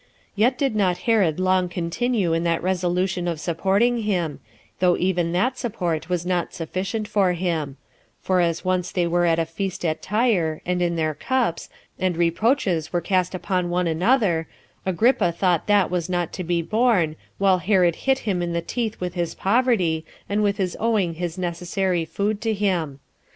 Yet did not Herod long continue in that resolution of supporting him, though even that support was not sufficient for him; for as once they were at a feast at Tyre, and in their cups, and reproaches were cast upon one another, Agrippa thought that was not to be borne, while Herod hit him in the teeth with his poverty, and with his owing his necessary food to him.